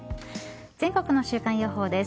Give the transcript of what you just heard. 全国の週間予報です。